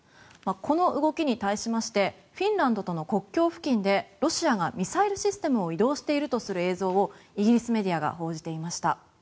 この動きに対しましてフィンランドとの国境付近でロシアがミサイルシステムを移動しているとする映像をイギリスメディアが報じていました。